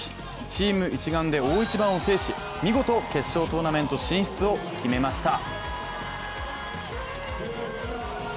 チーム一丸で大一番を制し、見事、決勝トーナメント進出を決めました。